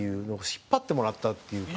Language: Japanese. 引っ張ってもらったっていうか。